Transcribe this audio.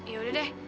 ya udah deh